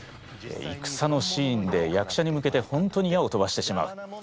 いくさのシーンで役者に向けて本当に矢を飛ばしてしまう。